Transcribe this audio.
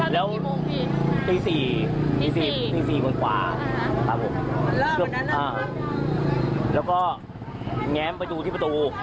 ตอนนี้กี่โมงพี่ตี๔ตี๔ตี๔กว่าครับแล้วก็แง้ประจูที่ประตู